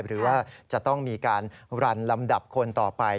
หรือว่าจะต้องมีการรันลำดับคนต่อไป